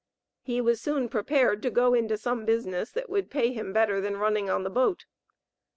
He was soon prepared to go into some business that would pay him better than running on the boat.